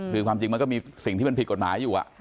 คือความจริงมันก็มีสิ่งที่มันผิดกฎหมายอยู่